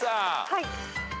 はい。